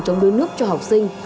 trong đuối nước cho học sinh